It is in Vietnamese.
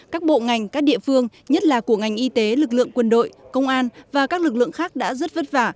các bộ ngành các địa phương nhất là của ngành y tế lực lượng quân đội công an và các lực lượng khác đã rất vất vả